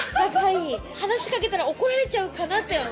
話し掛けたら怒られちゃうかなって。